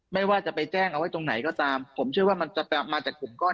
ไม่ว่าจะไปแจ้งเอาไว้ตรงไหนก็ตามผมเชื่อว่ามันจะมาจากกลุ่มก้อน